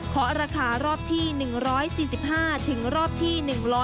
ราคารอบที่๑๔๕ถึงรอบที่๑๐๐